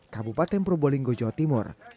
kabupaten probolinggo jawa timur